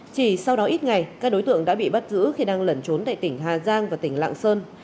chỉ sau đó ít ngày các đối tượng đã bị bắt giữ khi đang lẩn trốn tại tỉnh hà giang và tỉnh lạng sơn